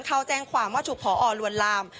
เข้าแจ้งความว่าถูกพอลวนลาม